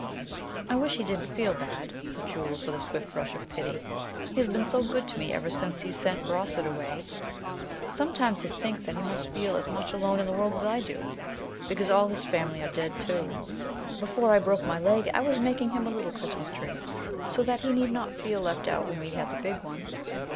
"I wish he didn't feel bad," said Jules, with a swift rush of pity. "He has been so good to me ever since he sent Brossard away. Sometimes I think that he must feel as much alone in the world as I do, because all his family are dead, too. Before I broke my leg I was making him a little Christmas tree, so that he need not feel left out when we had the big one.